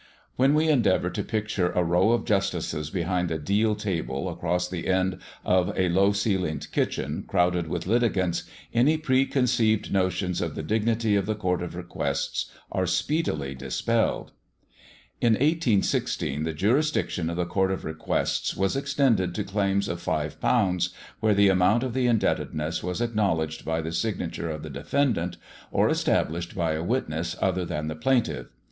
When we endeavour to picture a row of justices behind a deal table across the end of a low ceiling kitchen, crowded with litigants, any preconceived notions of the dignity of the Court of Requests are speedily dispelled. In 1816 the jurisdiction of the Court of Requests was extended to claims of £5, where the amount of the indebtedness was acknowledged by the signature of the defendant, or established by a witness other than the plaintiff.